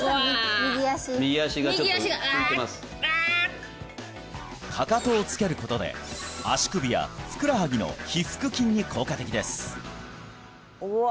右足右足がちょっと浮いてますかかとをつけることで足首やふくらはぎの腓腹筋に効果的ですうわ